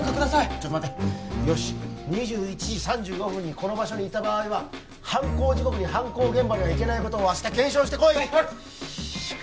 ちょっと待てよし２１時３５分にこの場所にいた場合は犯行時刻に犯行現場には行けないことを明日検証してこいはい！